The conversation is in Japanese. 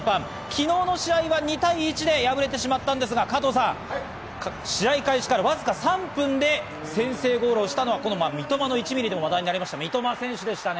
昨日の試合は２対１で敗れてしまったんですが、加藤さん。試合開始からわずか３分で先制ゴールをしたのはこの「三笘の１ミリ」で話題になりました、三笘選手ですね。